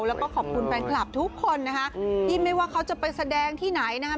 แล้วก็ขอบคุณแฟนคลับทุกคนนะคะที่ไม่ว่าเขาจะไปแสดงที่ไหนนะครับ